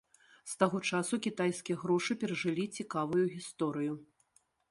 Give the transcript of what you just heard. З таго часу кітайскія грошы перажылі цікавую гісторыю.